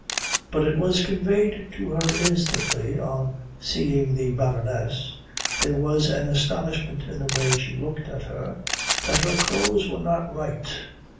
But it was conveyed to her instantly on seeing the Baroness there was an astonishment in the way she looked at her that her clothes were not right.